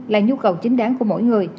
là nhu cầu chính đáng của mỗi người